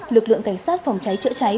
lực lượng cảnh sát phòng cháy chữa cháy